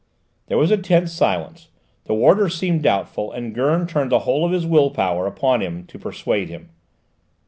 There was a tense silence; the warder seemed doubtful, and Gurn turned the whole of his will power upon him to persuade him.